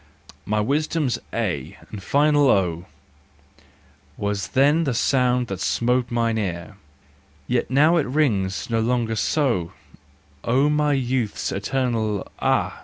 My wisdom's A and final O Was then the sound that smote mine ear. 22 THE JOYFUL WISDOM Yet now it rings no longer so, My youth's eternal Ah!